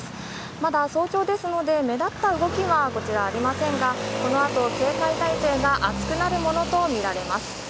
まだ早朝ですので目立った動きはありませんが、このあと、警戒態勢が厚くなるものとみられます。